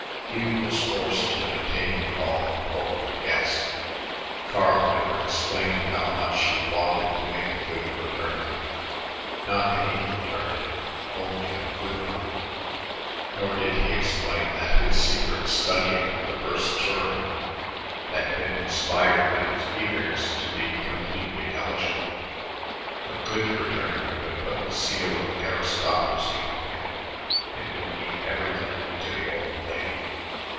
Hugh was forced to entertain the all important guest. Carl never explained how much he wanted to make a good fraternity, not any fraternity, only a good one; nor did he explain that his secret studying the first term had been inspired by his eagerness to be completely eligible. A good fraternity would put the seal of aristocracy on him; it would mean everything to the "old lady."